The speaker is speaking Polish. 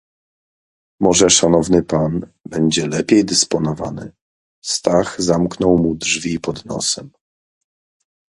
"Może szanowny pan będzie lepiej dysponowany... Stach zamknął mu drzwi pod nosem..."